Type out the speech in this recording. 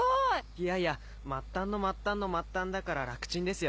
いやいや末端の末端の末端だから楽チンですよ。